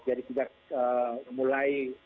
jadi sudah mulai